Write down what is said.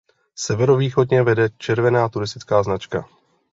Severovýchodně vede červená turistická značka.